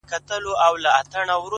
چي كوټې ته سو دننه د ټگانو!!